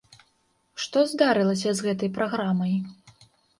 Што здарылася з гэтай праграмай?